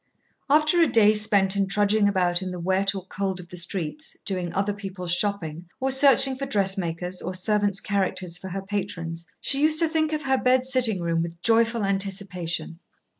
After a day spent in trudging about in the wet or cold of the streets, doing other people's shopping, or searching for dressmakers or servants' characters for her patrons, she used to think of her bed sitting room with joyful anticipation.